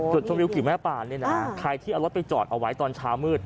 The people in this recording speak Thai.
ชมวิวกิวแม่ปานเนี่ยนะใครที่เอารถไปจอดเอาไว้ตอนเช้ามืด